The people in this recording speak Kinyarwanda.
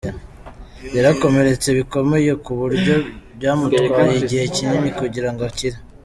Yarakomeretse bikomeye ku buryo byamutwaye igihe kinini kugirango akire.